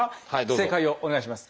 正解をお願いします。